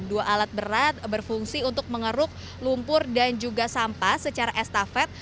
dua alat berat berfungsi untuk mengeruk lumpur dan juga sampah secara estafet